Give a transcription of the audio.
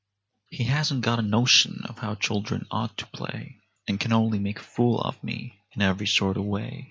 He hasn't got a notion of how children ought to play, And can only make a fool of me in every sort of way.